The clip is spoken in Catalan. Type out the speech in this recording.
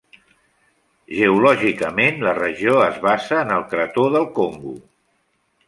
Geològicament la regió es basa en el Crató del Congo.